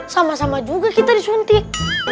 sama sama juga kita disuntik